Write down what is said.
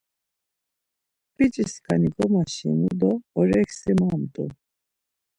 Biç̌iskani gomaşinu do oreksi mamt̆u.